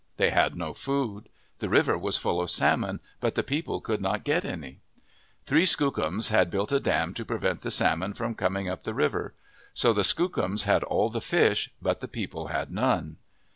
They had no food. The river was full of salmon but the people could not get any. Three Skookums had built a dam to prevent the salmon from coming up the river. So the Skookums had all the fish, but the people had none.